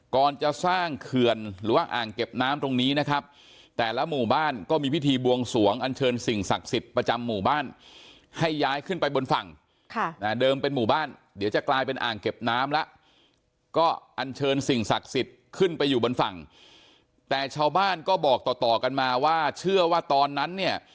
ก่อนจะสร้างเขื่อนหรือว่าอ่างเก็บน้ำตรงนี้นะครับแต่ละหมู่บ้านก็มีพิธีบวงสวงอันเชิญสิ่งศักดิ์สิทธิ์ประจำหมู่บ้านให้ย้ายขึ้นไปบนฝั่งค่ะเดิมเป็นหมู่บ้านเดี๋ยวจะกลายเป็นอ่างเก็บน้ำแล้วก็อันเชิญสิ่งศักดิ์สิทธิ์ขึ้นไปอยู่บนฝั่งแต่ชาวบ้านก็บอกต่อต่อกันมาว่าเชื่อว่าตอนนั้นเนี่ย